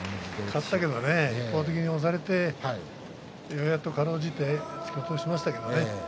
勝ったけど一方的に押されてようやく、かろうじて突き落としましたけれどもね。